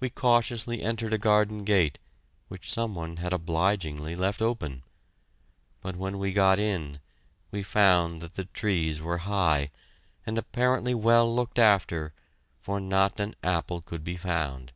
We cautiously entered a garden gate which some one had obligingly left open, but when we got in, we found that the trees were high, and apparently well looked after, for not an apple could be found!